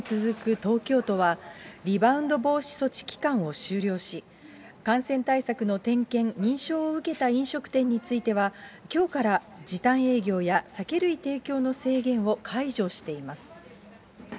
東京都は、リバウンド防止措置期間を終了し、感染対策の点検、認証を受けた飲食店については、きょうから時短営業や酒類提供の制限を解除しています。